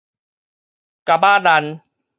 蛤仔難